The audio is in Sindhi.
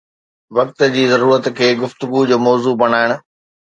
وقت جي ضرورت کي گفتگو جو موضوع بڻائڻ